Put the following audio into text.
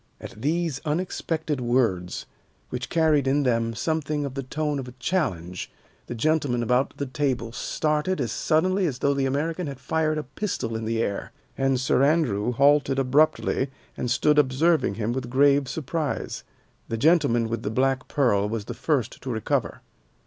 At these unexpected words, which carried in them something of the tone of a challenge, the gentlemen about the table started as suddenly as though the American had fired a pistol in the air, and Sir Andrew halted abruptly and stood observing him with grave surprise. The gentleman with the black pearl was the first to recover.